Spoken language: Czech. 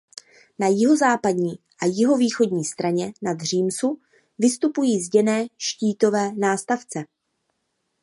Na jihozápadní a jihovýchodní straně nad římsu vystupují zděné štítové nástavce.